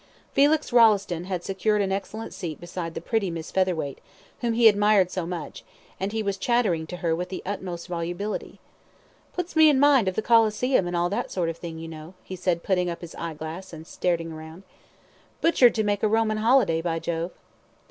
Felix Rolleston had secured an excellent seat beside the pretty Miss Featherweight, whom he admired so much, and he was chattering to her with the utmost volubility. "Puts me in mind of the Coliseum and all that sort of thing, you know," he said, putting up his eye glass and staring round. "Butchered to make a Roman holiday by jove."